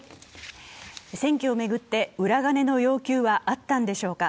選挙を巡って裏金の要求はあったんでしょうか。